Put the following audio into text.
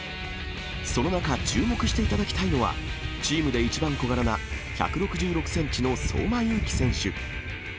その中、注目していただきたいのは、チームで一番小柄な１６６センチの相馬勇紀選手。